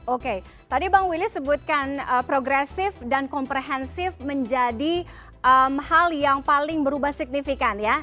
oke tadi bang willy sebutkan progresif dan komprehensif menjadi hal yang paling berubah signifikan ya